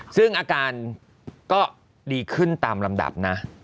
ซึ่งอาการก็ดีขึ้นตามลำดับนะ